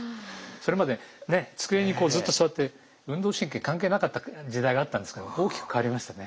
それまでね机にずっと座って運動神経関係なかった時代があったんですけど大きく変わりましたね。